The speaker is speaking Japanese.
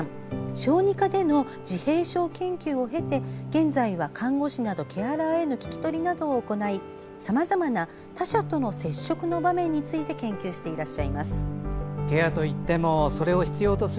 小児科での自閉症研究を経て現在は看護師などケアラーなどへの聞き取りを行いさまざまな他者との接触の場面について研究していらっしゃいます。